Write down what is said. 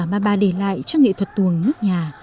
mà bà để lại cho nghệ thuật tuồng nước nhà